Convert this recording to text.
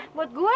hah buat gue